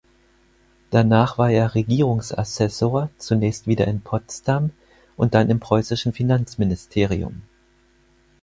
Danach war er Regierungsassessor, zunächst wieder in Potsdam und dann im preußischen Finanzministerium.